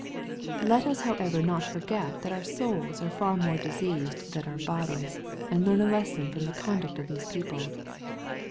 Let us however not forget that our souls are far more diseased than our bodies, and le&rn a lesson from the conduct of these people.